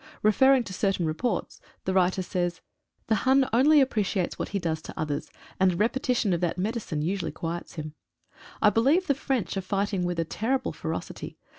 Refer ing to certain reports, the writer says :— "The Hun only appreciates what he does to others — and a repetition of that medicine usually quiets him. I believe the French are fighting with a terrible ferocity.